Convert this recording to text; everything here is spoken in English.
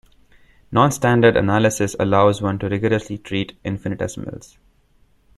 Non-standard analysis allows one to rigorously treat infinitesimals.